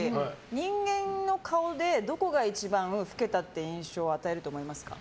人間の顔でどこが一番、老けたという印象を与えると思いますか？